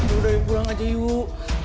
udah pulang aja yuk